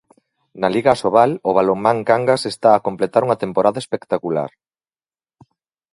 Na Liga Asobal, o balonmán Cangas está a completar unha temporada espectacular.